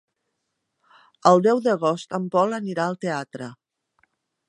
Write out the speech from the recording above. El deu d'agost en Pol anirà al teatre.